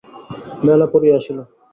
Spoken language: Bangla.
বেলা পড়িয়া আসিল।